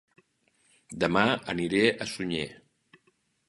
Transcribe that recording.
Dema aniré a Sunyer